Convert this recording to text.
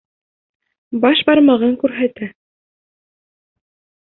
Баш бармағын күрһәтә.